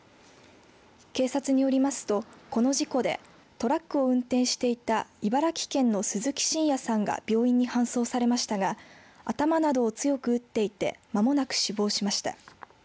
警察によりますと、この事故でトラックを運転していた茨城県の鈴木真矢さんが病院に搬送されましたが頭などを強く打っていて間もなく死亡しました。